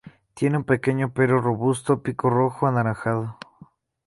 Tiene un pequeño pero robusto pico rojo-anaranjado.